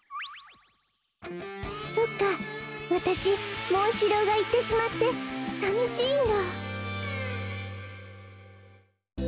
そっかわたしモンシローがいってしまってさみしいんだ。